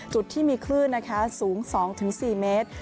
จุดที่มีคลื่นนะคะสูง๒๔เมตร